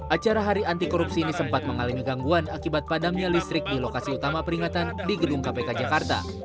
acara hari anti korupsi ini sempat mengalami gangguan akibat padamnya listrik di lokasi utama peringatan di gedung kpk jakarta